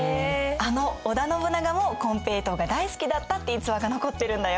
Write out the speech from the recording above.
あの織田信長もコンペイトウが大好きだったって逸話が残ってるんだよ。